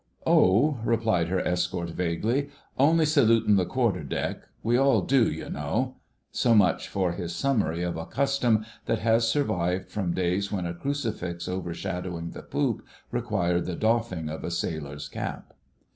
"Oh," replied her escort vaguely, "only salutin' the Quarter deck. We all do, you know." So much for his summary of a custom that has survived from days when a crucifix overshadowing the poop required the doffing of a sailor's cap.